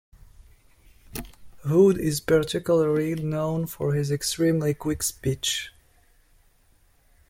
Houde is particularly known for his extremely quick speech.